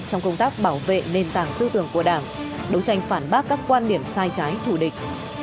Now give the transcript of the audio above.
trong công tác bảo vệ nền tảng tư tưởng của đảng đấu tranh phản bác các quan điểm sai trái thủ địch